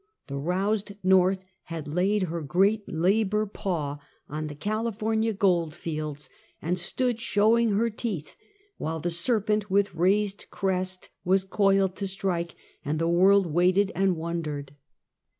The roused North had laid her great labor paw on the California gold fields and stood showing her teeth while the serpent with raised crest was coiled to strike, and the world waited and won dered.